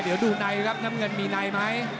เดี๋ยวดูไนล่ะน้ำเงินมีไนไหม